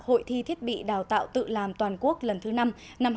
hội thi thiết bị đào tạo tự làm toàn quốc lần thứ năm năm hai nghìn một mươi sáu